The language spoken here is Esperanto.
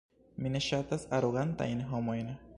Mi ne ŝatas arogantajn homojn.